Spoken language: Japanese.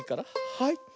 はい。